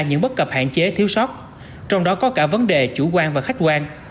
những bất cập hạn chế thiếu sót trong đó có cả vấn đề chủ quan và khách quan